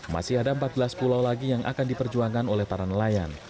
masih ada empat belas pulau lagi yang akan diperjuangkan oleh para nelayan